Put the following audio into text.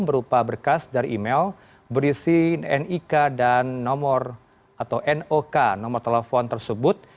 berupa berkas dari email berisi nik dan nomor atau nok nomor telepon tersebut